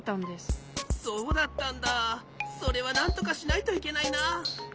そうだったんだそれはなんとかしないといけないな。